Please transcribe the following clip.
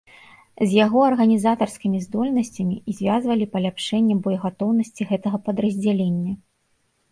З яго арганізатарскімі здольнасцямі звязвалі паляпшэнне боегатоўнасці гэтага падраздзялення.